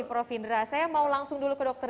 prof indra saya mau langsung dulu ke dokter